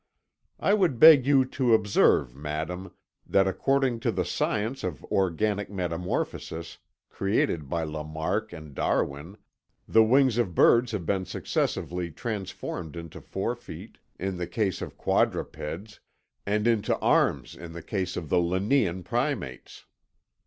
I would beg you to observe, Madame, that according to the Science of Organic Metamorphosis created by Lamarck and Darwin, the wings of birds have been successively transformed into fore feet in the case of quadrupeds and into arms in the case of the Linnæan primates.